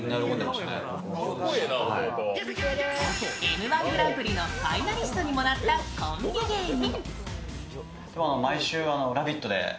「Ｍ−１グランプリ」のファイナリストにもなったコンビ芸人。